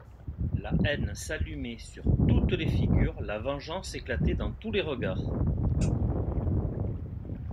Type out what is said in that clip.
La haine s'allumait sur toutes les figures, la vengeance éclatait dans tous les regards.